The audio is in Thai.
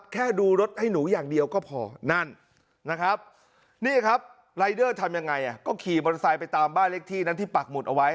แค่ดูรถให้หนูอย่างเดียวก็พอนั่นนะครับนี่ครับรายเดอร์ทำยังไงก็ขี่มอเตอร์ไซค์ไปตามบ้านเลขที่นั้นที่ปักหมุดเอาไว้